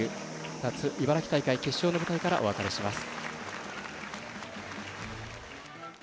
夏、茨城大会決勝の舞台からお別れします。